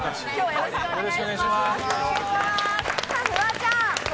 よろしくお願いします。